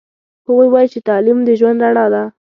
هغوی وایي چې تعلیم د ژوند رڼا ده